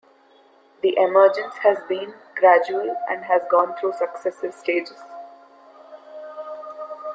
This emergence has been gradual and has gone through successive stages.